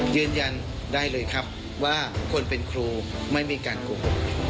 ยืนยันได้เลยครับว่าคนเป็นครูไม่มีการโกหก